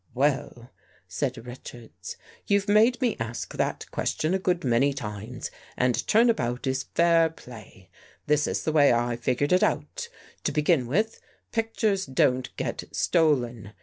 " Well," said Richards, " you've made me ask that question a good many times, and turn about is fair play. This is the way I figured it out: To begin with, pictures don't get stolen.